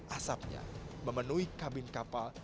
asapnya memenuhi kabin kapal